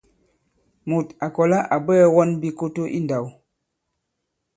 Mùt à kɔ̀la à bwɛɛ̄ wɔn bikoto i ndāw.